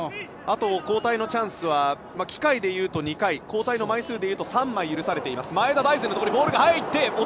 あと、交代のチャンスは機会でいうと２回交代の枚数でいうと３枚許されています。